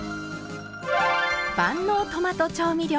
万能トマト調味料。